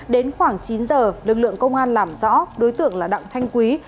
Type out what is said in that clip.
đến khoảng chín giờ lực lượng công an làm rõ đối tượng là đặng thanh quý